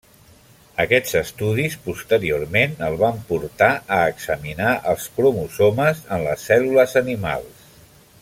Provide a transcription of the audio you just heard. Aquests estudis posteriorment el van portar a examinar els cromosomes en les cèl·lules animals.